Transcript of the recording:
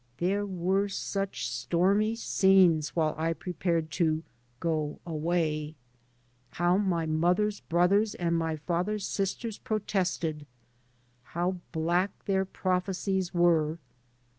There were such stormy scenes while I prepared to " go away," How my mother's brothers and my father's sisters protested. How black their prophecies were.